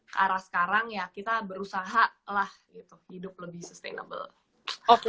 ke arah sekarang ya kita berusaha lah gitu hidup lebih sustainable